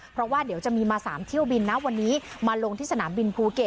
เพราะว่าเดี๋ยวจะมีมา๓เที่ยวบินนะวันนี้มาลงที่สนามบินภูเก็ต